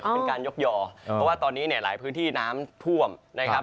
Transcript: เป็นการยกย่อเพราะว่าตอนนี้เนี่ยหลายพื้นที่น้ำท่วมนะครับ